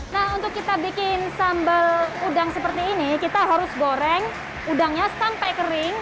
nah untuk kita bikin sambal udang seperti ini kita harus goreng udangnya sampai kering